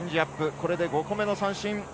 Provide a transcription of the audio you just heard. これで５個目の三振。